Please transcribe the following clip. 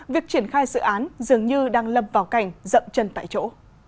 việc triển khai dự án dường như đang lâm vào cảnh dậm chân tại chỗ